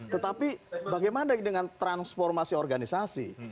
tetapi bagaimana dengan transformasi organisasi